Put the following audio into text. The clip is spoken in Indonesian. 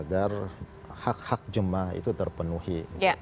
semuanya ini adalah agar hak hak jemaah itu terpenuhi